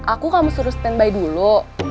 aku kamu suruh stand by dulu